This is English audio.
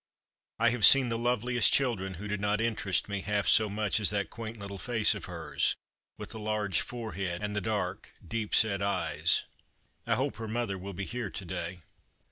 I have seen the loveliest children who did not interest me half The Christmas Hirelings. 235 so much as that quamt little face of hers, with the large forehead and the dark deep set eyes. I hope her mother will be here to day."